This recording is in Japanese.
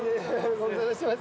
ご無沙汰しています。